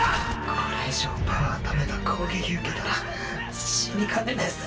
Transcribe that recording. これ以上パワーためた攻撃受けたら死にかねねえっスよ。